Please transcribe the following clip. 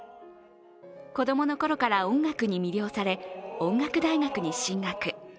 子供のころから音楽に魅了され音楽大学に進学。